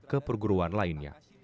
ke perguruan lainnya